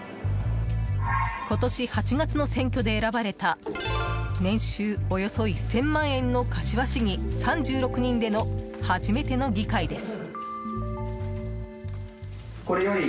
今年８月の選挙で選ばれた年収およそ１０００万円の柏市議３６人での初めての議会です。